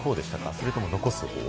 それとも残すほう？